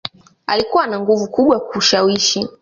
Alikuwa ana nguvu kubwa ya kushawishi